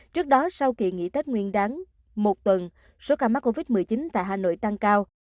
trước đó sau kỳ nghỉ tết nguyên đáng một tuần số ca mắc covid một mươi chín tại hà nội tăng cao